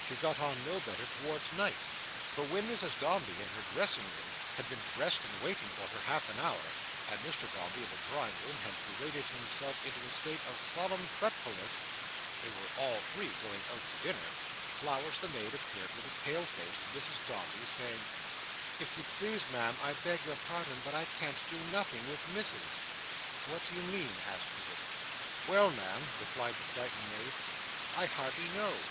She got on no better towards night; for when Mrs Dombey, in her dressing room, had been dressed and waiting for her half an hour, and Mr Dombey, in the drawing room, had paraded himself into a state of solemn fretfulness (they were all three going out to dinner), Flowers the Maid appeared with a pale face to Mrs Dombey, saying: "If you please, Ma'am, I beg your pardon, but I can't do nothing with Missis!" "What do you mean?" asked Edith. "Well, Ma'am," replied the frightened maid, "I hardly know.